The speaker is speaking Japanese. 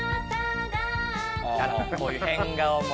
「こういう変顔も」